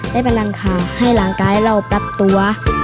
ได้ไปนั่นค่ะให้ร่างกายเราดัดตัว